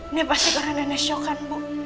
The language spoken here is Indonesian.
ini pasti bakalan nenek syokan bu